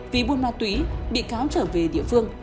vì buôn ma túy bị cáo trở về địa phương